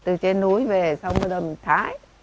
từ trên núi về xong bây giờ mình thái